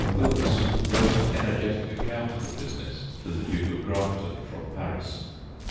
Wilkes wrote an energetic account of the business to the Duke of Grafton from Paris.